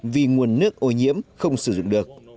vì nguồn nước ô nhiễm không sử dụng được